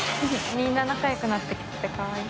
みんな仲よくなってきててかわいい。